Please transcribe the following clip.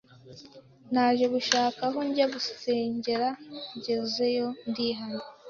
naje gushaka aho njya gusengera ngezeyo ndihana